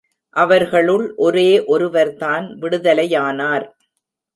அவர்களுள் ஒரே ஒருவர்தான் விடுதலையானார்.